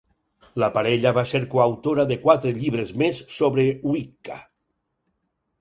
La parella va ser coautora de quatre llibres més sobre Wicca.